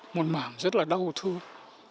một mảng rất là đau thương